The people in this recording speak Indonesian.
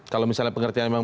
kalau misalnya pengertian